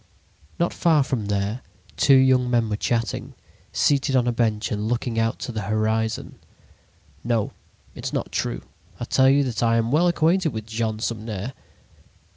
Not far from there, two young men were chatting, seated on a bench and looking out into the horizon. "No, it is not true; I tell you that I am well acquainted with Jean Sumner."